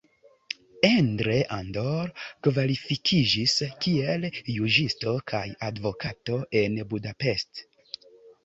Endre Andor kvalifikiĝis kiel juĝisto kaj advokato en Budapest.